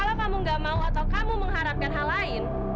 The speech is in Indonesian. kalau kamu gak mau atau kamu mengharapkan hal lain